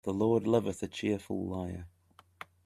The Lord loveth a cheerful liar.